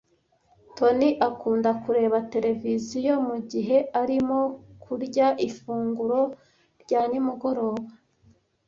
Toni akunda kureba televiziyo mugihe arimo kurya ifunguro rya nimugoroba.